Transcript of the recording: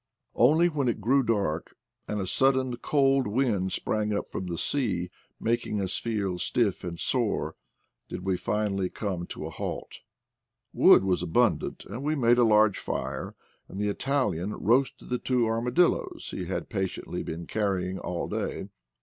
Only when it grew dark, and a sudden cold wind sprang up from the sea, making us feel stiff and sore, did we finally come to a halt. Wood was abundant, and we made a large fire, and the Italian roasted the two armadilloes he had patiently been carry ing all day.